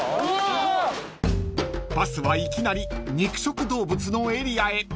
［バスはいきなり肉食動物のエリアへ］